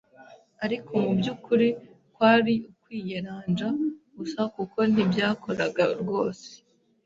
ariko mu byukuri kwari ukwiyeranja gusa kuko ntibyakoraga rwose